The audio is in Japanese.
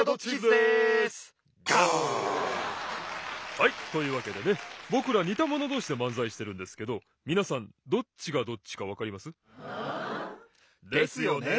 はいというわけでねぼくらにたものどうしでまんざいしてるんですけどみなさんどっちがどっちかわかります？ですよね？